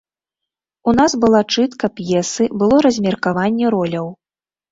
У нас была чытка п'есы, было размеркаванне роляў.